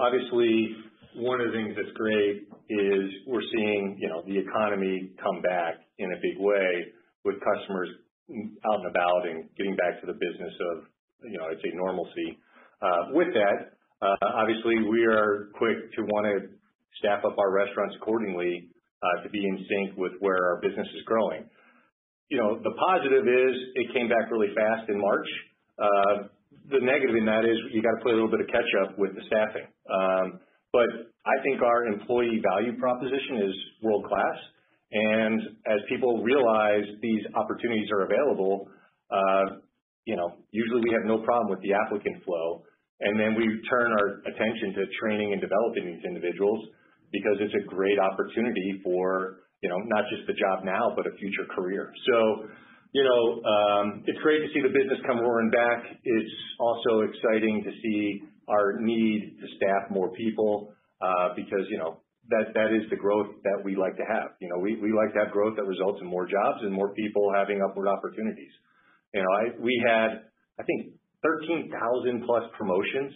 Obviously, one of the things that's great is we're seeing the economy come back in a big way with customers out and about and getting back to the business of, I'd say, normalcy. With that, obviously, we are quick to want to staff up our restaurants accordingly, to be in sync with where our business is growing. The positive is it came back really fast in March. The negative in that is you got to play a little bit of catch up with the staffing. I think our employee value proposition is world-class, and as people realize these opportunities are available, usually we have no problem with the applicant flow. We turn our attention to training and developing these individuals because it's a great opportunity for not just the job now, but a future career. It's great to see the business come roaring back. It's also exciting to see our need to staff more people because that is the growth that we like to have. We like to have growth that results in more jobs and more people having upward opportunities. We had, I think, 13,000+ promotions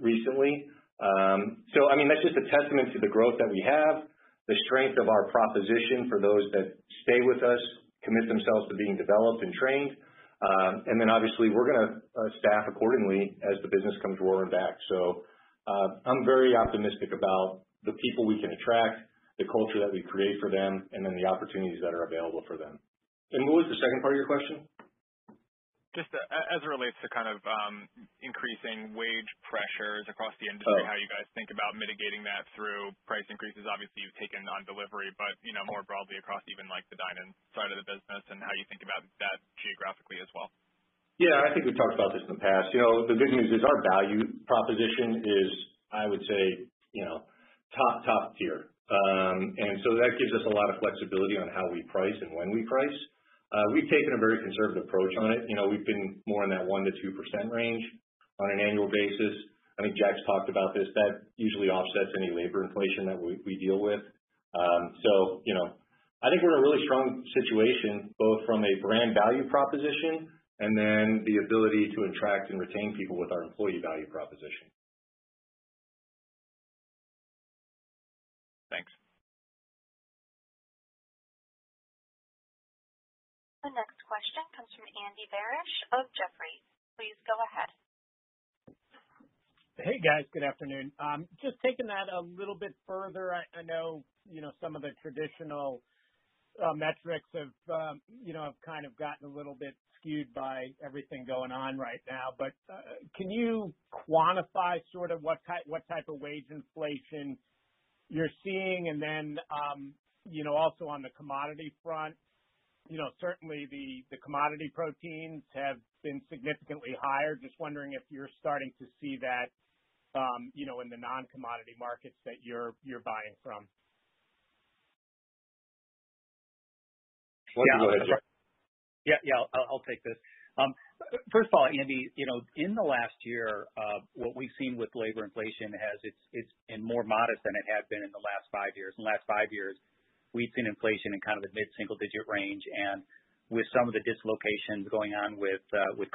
recently. That's just a testament to the growth that we have, the strength of our proposition for those that stay with us, commit themselves to being developed and trained, and then obviously, we're going to staff accordingly as the business comes roaring back. I'm very optimistic about the people we can attract, the culture that we create for them, and then the opportunities that are available for them. What was the second part of your question? Just as it relates to increasing wage pressures across the industry. Oh. How you guys think about mitigating that through price increases? Obviously, you've taken on delivery, but more broadly across even the dine-in side of the business and how you think about that geographically as well? Yeah. I think we've talked about this in the past. The good news is our value proposition is, I would say, top tier. That gives us a lot of flexibility on how we price and when we price. We've taken a very conservative approach on it. We've been more in that 1%-2% range on an annual basis. I think Jack's talked about this. That usually offsets any labor inflation that we deal with. I think we're in a really strong situation, both from a brand value proposition and then the ability to attract and retain people with our employee value proposition. Thanks. The next question comes from Andy Barish of Jefferies. Please go ahead. Hey, guys. Good afternoon. Just taking that a little bit further, I know some of the traditional metrics have kind of gotten a little bit skewed by everything going on right now. Can you quantify what type of wage inflation you're seeing? Also on the commodity front, certainly the commodity proteins have been significantly higher. Just wondering if you're starting to see that in the non-commodity markets that you're buying from. Why don't you go ahead, Jack? I'll take this. First of all, Andy, in the last year, what we've seen with labor inflation has been more modest than it had been in the last five years. In the last five years, we've seen inflation in the mid-single digit range, and with some of the dislocations going on with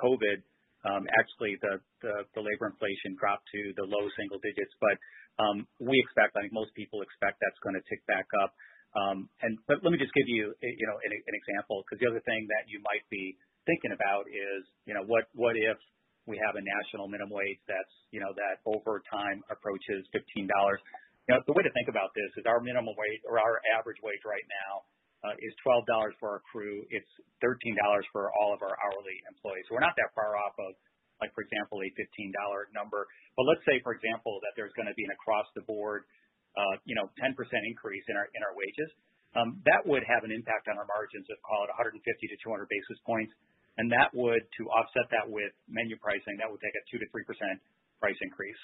COVID, actually, the labor inflation dropped to the low single digits. We expect, I think most people expect, that's going to tick back up. Let me just give you an example, because the other thing that you might be thinking about is, what if we have a national minimum wage that over time approaches $15? The way to think about this is our minimum wage or our average wage right now is $12 for our crew. It's $13 for all of our hourly employees. We're not that far off of, for example, a $15 number. Let's say, for example, that there's going to be an across the board 10% increase in our wages. That would have an impact on our margins of call it 150-200 basis points. To offset that with menu pricing, that would take a 2%-3% price increase.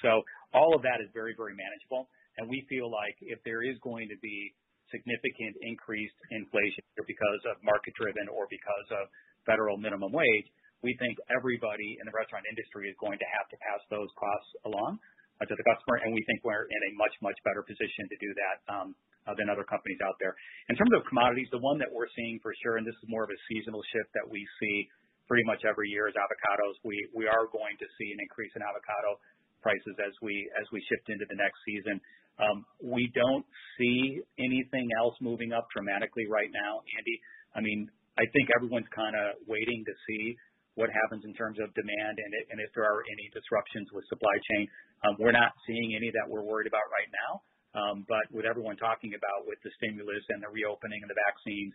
All of that is very, very manageable, and we feel like if there is going to be significant increased inflation because of market-driven or because of federal minimum wage, we think everybody in the restaurant industry is going to have to pass those costs along to the customer, and we think we're in a much, much better position to do that than other companies out there. In terms of commodities, the one that we're seeing for sure, and this is more of a seasonal shift that we see pretty much every year, is avocados. We are going to see an increase in avocado prices as we shift into the next season. We don't see anything else moving up dramatically right now, Andy. I think everyone's kind of waiting to see what happens in terms of demand and if there are any disruptions with supply chain. We're not seeing any that we're worried about right now. With everyone talking about with the stimulus and the reopening and the vaccines,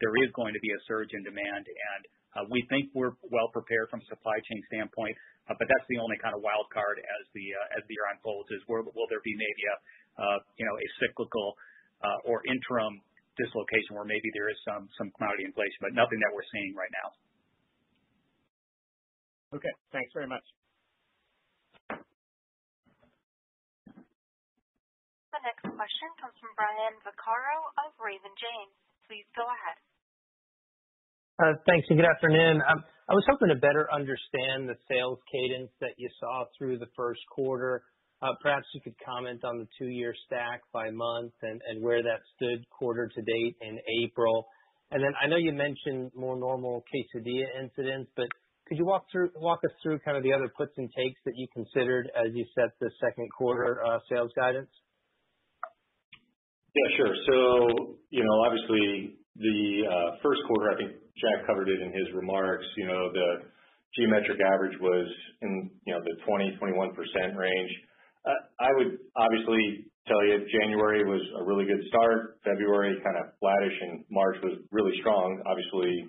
there is going to be a surge in demand, and we think we're well prepared from a supply chain standpoint. That's the only kind of wild card as the year unfolds is will there be maybe a cyclical or interim dislocation where maybe there is some cloud in place, but nothing that we're seeing right now. Okay. Thanks very much. The next question comes from Brian Vaccaro of Raymond James. Please go ahead. Thanks, and good afternoon. I was hoping to better understand the sales cadence that you saw through the first quarter. Perhaps you could comment on the two-year stack by month and where that stood quarter to date in April. Then I know you mentioned more normal Quesadilla incidence, but could you walk us through kind of the other puts and takes that you considered as you set the second quarter sales guidance? Yeah, sure. Obviously, the first quarter, I think Jack covered it in his remarks. The geometric average was in the 20%, 21% range. I would obviously tell you January was a really good start. February kind of flattish, and March was really strong. Obviously,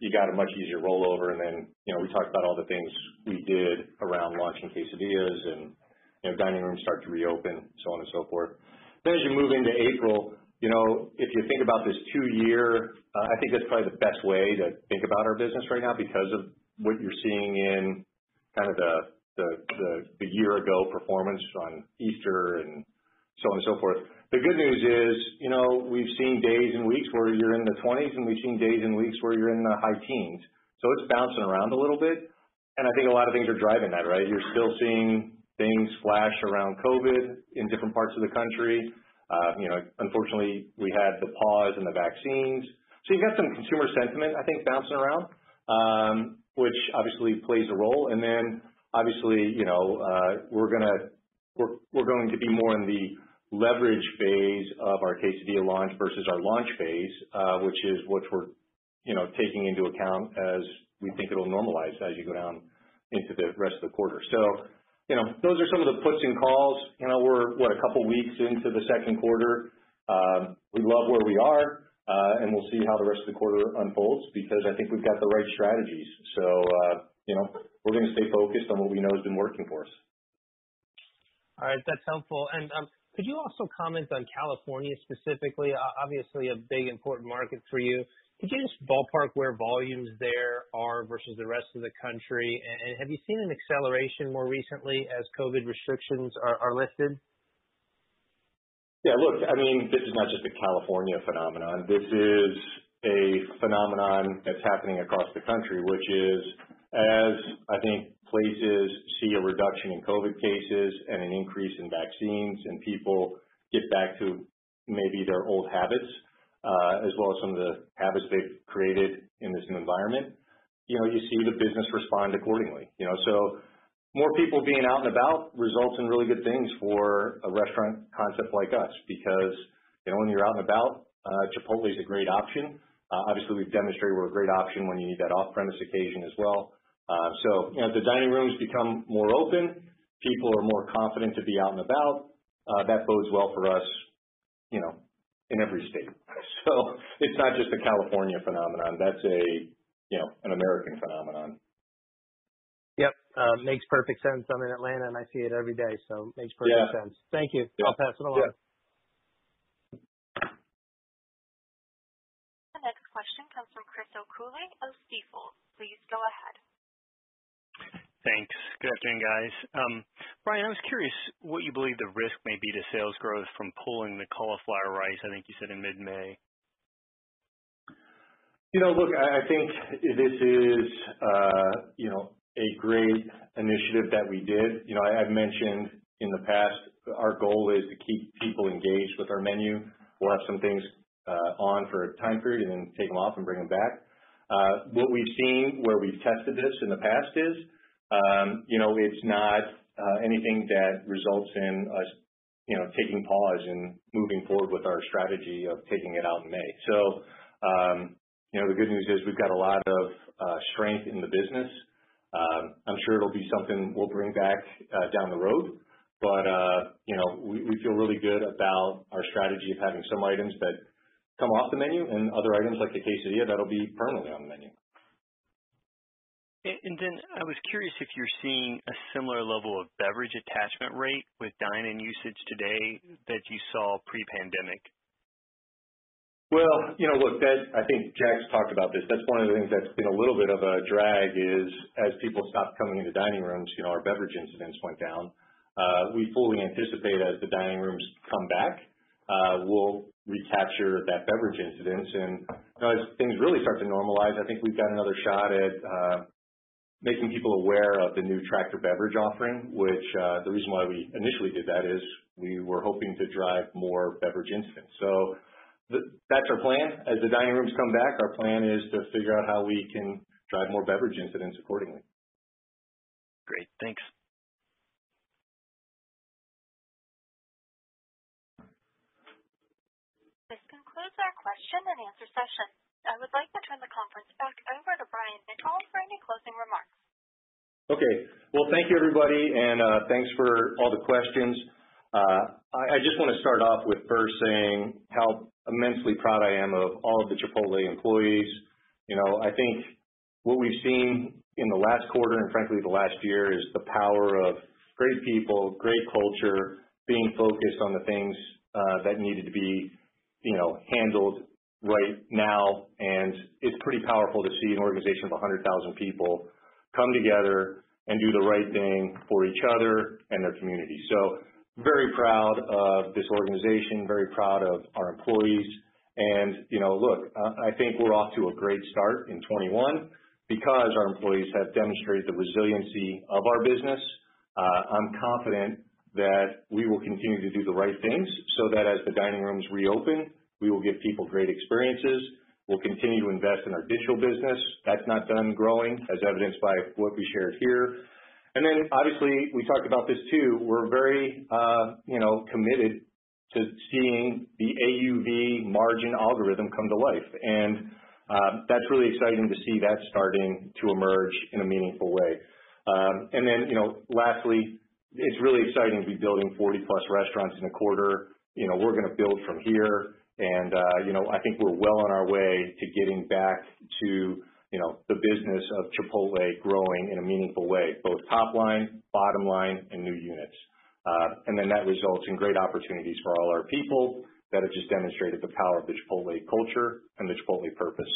you got a much easier rollover and then we talked about all the things we did around launching Quesadillas and dining rooms start to reopen, so on and so forth. As you move into April, if you think about this two-year, I think that's probably the best way to think about our business right now because of what you're seeing in kind of the year-ago performance on Easter and so on and so forth. The good news is, we've seen days and weeks where you're in the 20s, and we've seen days and weeks where you're in the high teens. It's bouncing around a little bit, and I think a lot of things are driving that, right? You're still seeing things flash around COVID in different parts of the country. Unfortunately, we had the pause in the vaccines. You've got some consumer sentiment, I think, bouncing around, which obviously plays a role. Obviously, we're going to be more in the leverage phase of our Quesadilla launch versus our launch phase, which is what we're taking into account as we think it'll normalize as you go down into the rest of the quarter. Those are some of the puts and calls. We're what? A couple of weeks into the second quarter, we love where we are. We'll see how the rest of the quarter unfolds because I think we've got the right strategies. We're going to stay focused on what we know has been working for us. All right. That's helpful. Could you also comment on California specifically? Obviously, a big important market for you. Could you just ballpark where volumes there are versus the rest of the country? Have you seen an acceleration more recently as COVID restrictions are lifted? Yeah, look, this is not just a California phenomenon. This is a phenomenon that's happening across the country, which is as, I think, places see a reduction in COVID cases and an increase in vaccines and people get back to maybe their old habits, as well as some of the habits they've created in this new environment, you see the business respond accordingly. More people being out and about results in really good things for a restaurant concept like us, because when you're out and about, Chipotle is a great option. Obviously, we've demonstrated we're a great option when you need that off-premise occasion as well. The dining rooms become more open. People are more confident to be out and about. That bodes well for us in every state. It's not just a California phenomenon. That's an American phenomenon. Yep. Makes perfect sense. I'm in Atlanta, and I see it every day, so makes perfect sense. Yeah. Thank you. Yep. I'll pass it along. Yep. The next question comes from Chris O'Cull of Stifel. Please go ahead. Thanks. Good afternoon, guys. Brian, I was curious what you believe the risk may be to sales growth from pulling the Cauliflower Rice, I think you said in mid-May. Look, I think this is a great initiative that we did. I've mentioned in the past, our goal is to keep people engaged with our menu. We'll have some things on for a time period and then take them off and bring them back. What we've seen where we've tested this in the past is, it's not anything that results in us taking pause and moving forward with our strategy of taking it out in May. The good news is we've got a lot of strength in the business. I'm sure it'll be something we'll bring back down the road. We feel really good about our strategy of having some items that come off the menu and other items like the Quesadilla that'll be permanently on the menu. I was curious if you're seeing a similar level of beverage attachment rate with dine-in usage today that you saw pre-pandemic. Well, look, I think Jack's talked about this. That's one of the things that's been a little bit of a drag is as people stopped coming into dining rooms, our beverage incidence went down. We fully anticipate as the dining rooms come back, we'll recapture that beverage incidence. As things really start to normalize, I think we've got another shot at making people aware of the new Tractor Beverages offering, which the reason why we initially did that is we were hoping to drive more beverage incidence. That's our plan. As the dining rooms come back, our plan is to figure out how we can drive more beverage incidence accordingly. Great. Thanks. This concludes our question and answer session. I would like to turn the conference back over to Brian Niccol for any closing remarks. Okay. Well, thank you, everybody, and thanks for all the questions. I just want to start off with first saying how immensely proud I am of all of the Chipotle employees. I think what we've seen in the last quarter, and frankly, the last year, is the power of great people, great culture, being focused on the things that needed to be handled right now. It's pretty powerful to see an organization of 100,000 people come together and do the right thing for each other and their community. Very proud of this organization, very proud of our employees. Look, I think we're off to a great start in 2021 because our employees have demonstrated the resiliency of our business. I'm confident that we will continue to do the right things so that as the dining rooms reopen, we will give people great experiences. We'll continue to invest in our digital business. That's not done growing, as evidenced by what we shared here. Obviously, we talked about this too, we're very committed to seeing the AUV margin algorithm come to life. That's really exciting to see that starting to emerge in a meaningful way. Lastly, it's really exciting to be building 40+ restaurants in a quarter. We're going to build from here, and I think we're well on our way to getting back to the business of Chipotle growing in a meaningful way, both top line, bottom line, and new units. That results in great opportunities for all our people that have just demonstrated the power of the Chipotle culture and the Chipotle purpose.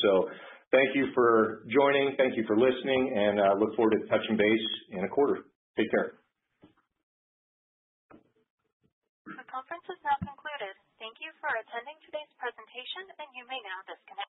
Thank you for joining. Thank you for listening, and I look forward to touching base in a quarter. Take care. The conference is now concluded. Thank you for attending today's presentation. You may now disconnect.